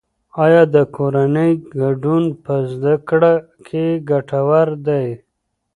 آیا د کورنۍ ګډون په زده کړه کې ګټور دی؟